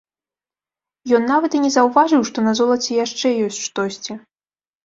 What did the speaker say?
Ён нават і не заўважыў, што на золаце яшчэ ёсць штосьці.